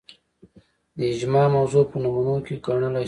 د اجماع موضوع په نمونو کې ګڼلای شو